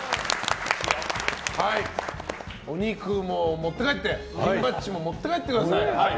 お肉も持って帰ってピンバッジも持って帰ってください。